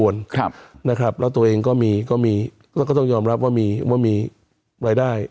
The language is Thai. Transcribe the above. แล้วตัวเองก็ต้องยอมรับว่ามีรายได้